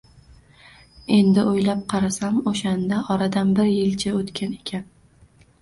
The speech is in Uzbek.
Endi o`ylab qarasam, o`shanda oradan bir yilcha o`tgan ekan